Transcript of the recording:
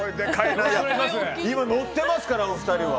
今、乗っていますからお二人は。